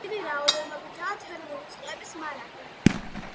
დიდი რაოდენობითაა თერმული წყლების მარაგი.